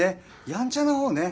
やんちゃな方ね。